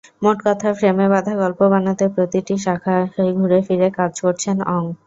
মোটকথা, ফ্রেমে বাঁধা গল্প বানাতে প্রতিটি শাখায় ঘুরেফিরে কাজ করেছেন অং।